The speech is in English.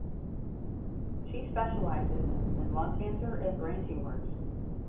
She specializes in lung cancer and brain tumors.